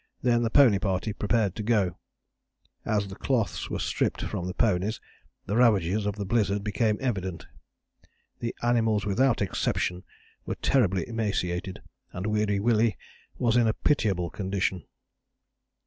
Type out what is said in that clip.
Then the pony party prepared to go. As the cloths were stript from the ponies the ravages of the blizzard became evident. The animals, without exception, were terribly emaciated, and Weary Willie was in a pitiable condition.